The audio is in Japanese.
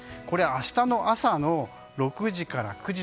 明日の朝の６時から９時。